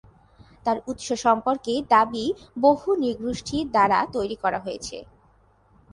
তার উৎস সম্পর্কে দাবি বহু নৃগোষ্ঠী দ্বারা তৈরি করা হয়েছে।